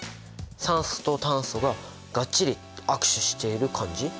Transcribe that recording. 酸素と炭素ががっちり握手している感じ。